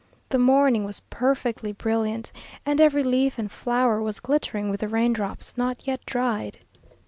The morning was perfectly brillia'nt, and every leaf and flower was glittering with the rain drops not yet dried.